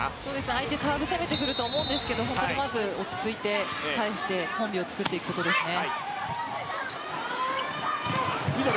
相手、サーブ攻めてくると思うんですけど落ち着いて返してコンビを作っていくことですね。